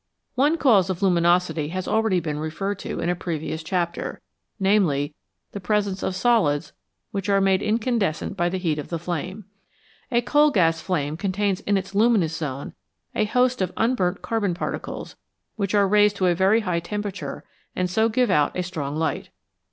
One cause of lumin osity has been already referred to in a previous chapter, namely, the presence of solids which are made incandescent by the heat of the flame. A coal gas flame contains in its luminous zone a host of unburnt carbon particles which are raised to a very high temperature and so give out a strong light.